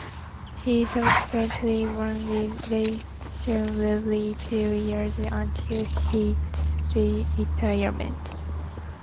He subsequently won re-election every two years until his retirement.